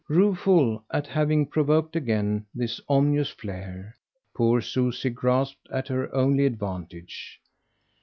Rueful at having provoked again this ominous flare, poor Susie grasped at her only advantage.